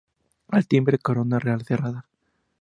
Al timbre, corona real cerrada.